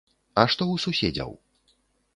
А што ў суседзяў?